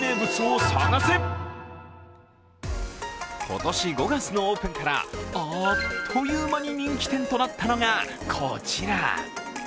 今年５月のオープンから、あーっという間に人気店となったのが、こちら。